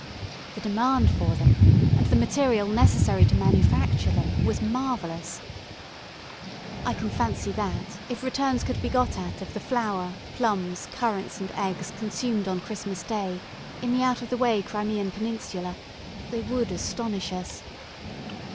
The demand for them, and the material necessary to manufacture them, was marvellous. I can fancy that if returns could be got at of the flour, plums, currants, and eggs consumed on Christmas day in the out of the way Crimean peninsula, they would astonish us.